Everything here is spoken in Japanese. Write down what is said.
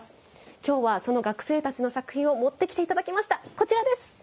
今日はその学生たちの作品を持ってきていただきました。